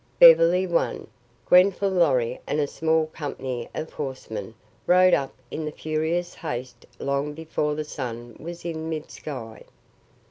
Beverly won. Grenfall Lorry and a small company of horsemen rode up in furious haste long before the sun was in mid sky.